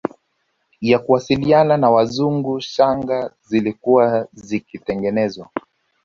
ya kuwasiliana na Wazungu shanga zilikuwa zikitengenezwa